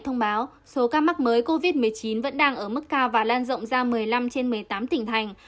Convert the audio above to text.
thông báo số ca mắc mới covid một mươi chín vẫn đang ở mức cao và lan rộng ra một mươi năm trên một mươi tám tỉnh thành